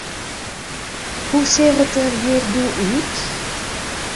Hoe seach it der hjir doe út?